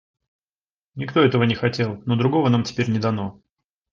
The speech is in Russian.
Никто этого не хотел, но другого нам теперь не дано.